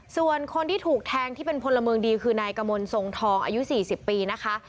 ส่วนคนที่ถูกแทงที่เป็นพลเมืองดีคือนายกมลทรงทองอายุ๔๐ปีนะคะ